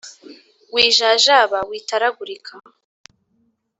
wijajaba, witaragurika :